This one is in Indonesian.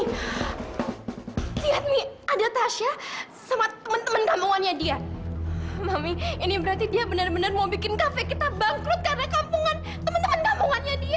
hai lihat nih ada tasha sama temen temen kampungannya dia mami ini berarti dia benar benar mau bikin kafe kita bangkrut karena kampungan temen temen kampungannya dia